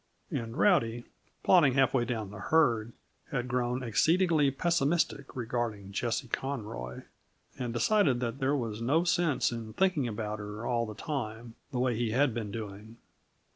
And Rowdy, plodding half way down the herd, had grown exceedingly pessimistic regarding Jessie Conroy, and decided that there was no sense in thinking about her all the time, the way he had been doing.